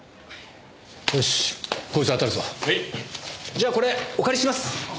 じゃあこれお借りします。